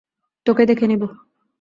তোকে দেখে নিব।